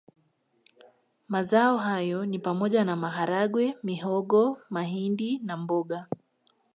Mazao hayo ni pamoja na maharage mihogo mahindi na mboga